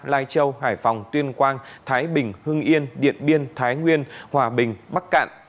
lai châu hải phòng tuyên quang thái bình hưng yên điện biên thái nguyên hòa bình bắc cạn